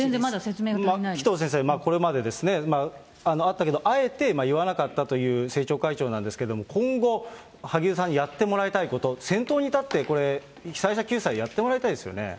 紀藤先生、これまであったけど、あえて言わなかったという政調会長なんですけれども、今後、萩生田さんにやってもらいたいこと、先頭に立って、これ、被災者救済やってもらいたいですよね。